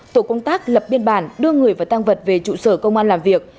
tổ công tác lập biên bản đưa người và tăng vật về trụ sở công an làm việc